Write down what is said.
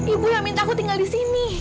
ibu yang minta aku tinggal disini